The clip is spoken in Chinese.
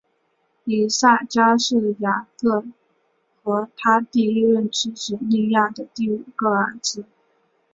以萨迦是雅各和他第一任妻子利亚的第五个儿子。